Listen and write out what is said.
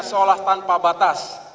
seolah tanpa batas